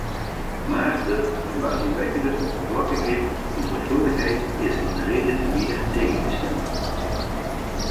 Maar de verbazingwekkende, oppervlakkige onzorgvuldigheid is een reden te meer tegen te stemmen.